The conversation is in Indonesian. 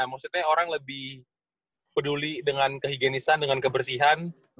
maksudnya orang lebih peduli dengan kehigienisan dengan kebersihan